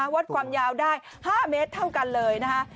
วัดความยาวได้๕เมตรเท่ากันเลยนะคะ